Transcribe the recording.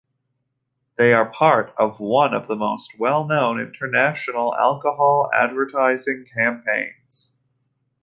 They are part of one of the most well-known international alcohol advertising campaigns.